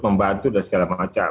membantu dan segala macam